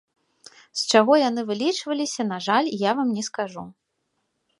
З чаго яны вылічваліся, на жаль, я вам не скажу.